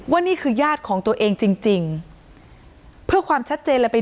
ว่านี่คือญาติของตัวเองจริงจริงเพื่อความชัดเจนเลยไป